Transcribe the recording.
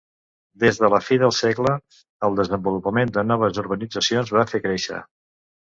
Des de la fi del segle, el desenvolupament de noves urbanitzacions va fer créixer.